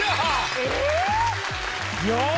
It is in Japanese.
えっ！